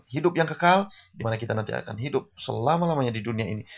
hidup yang kekal dimana kita nanti akan hidup selama lamanya di dunia ini